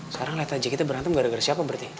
sekarang lihat aja kita berantem gara gara siapa berarti